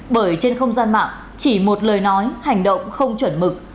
bởi trên không gian mạng chỉ một lời nói hành động không chuẩn mực